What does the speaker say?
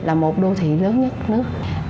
là một đô thị lớn nhất nước